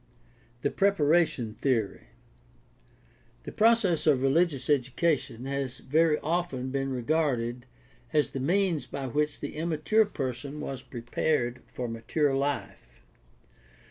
The preparation theory. — The process of religious educa tion has very often been regarded as the means by which the immature person was prepared for mature life.